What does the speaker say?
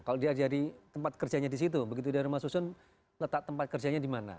kalau dia jadi tempat kerjanya disitu begitu dia rumah susun letak tempat kerjanya dimana